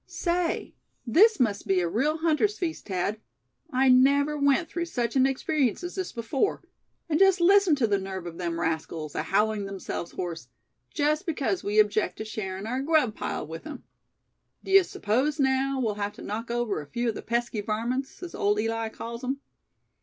Say, this must be a real hunter's feast, Thad. I never went through such an experience as this before. And just listen to the nerve of them rascals, ahowlin' themselves hoarse, just because we object to sharing our grub pile with 'em. D'ye suppose, now, we'll have to knock over a few of the pesky varmints, as old Eli calls 'em."